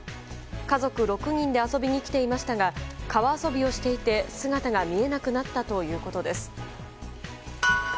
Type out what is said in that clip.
家族６人で遊びに来ていましたが川遊びをしていて姿が見えなくなったということです。